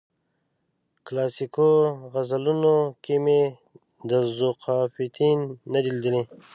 کلاسیکو غزلونو کې مې ذوقافیتین نه دی لیدلی.